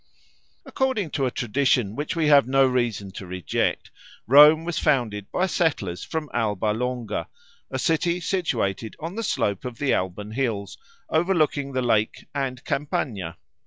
According to a tradition which we have no reason to reject, Rome was founded by settlers from Alba Longa, a city situated on the slope of the Alban hills, overlooking the lake and the Campagna.